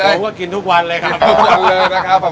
โมมาด๊อโรบก็มีกินทุกวันเลยครับ